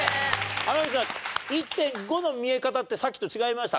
天海さん１．５の見え方ってさっきと違いました？